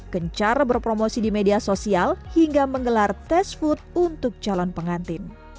gencar berpromosi di media sosial hingga menggelar test food untuk calon pengantin